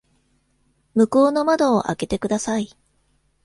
向こうの窓を開けてください。